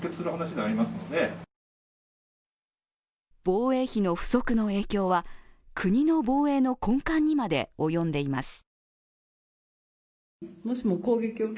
防衛費の不足の影響は国の防衛の根幹にまで及んでいます。